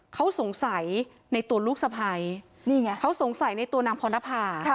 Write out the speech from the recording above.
เขาสงสัยในตัวลูกสะพ้ายนี่ไงเขาสงสัยในตัวนางพรณภา